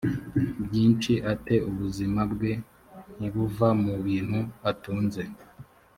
byinshi ate ubuzima bwe ntibuva mu bintu atunze